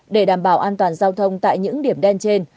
để đảm bảo an toàn giao thông tại những điểm đen trên